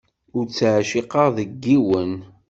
Ur teɛciqeḍ deg yiwen.